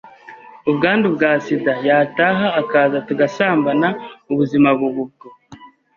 ubwandu bwa SIDA, yataha akaza tugasambana ubuzima buba ubwo,